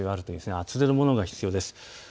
厚手のものが必要です。